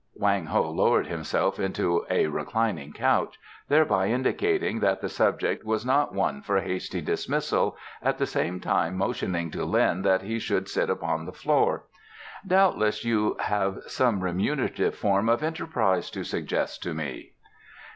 Wang Ho lowered himself into a reclining couch, thereby indicating that the subject was not one for hasty dismissal, at the same time motioning to Lin that he should sit upon the floor. "Doubtless you have some remunerative form of enterprise to suggest to me?"